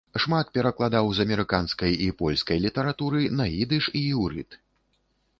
Шмат перакладаў з амерыканскай і польскай літаратуры на ідыш і іўрыт.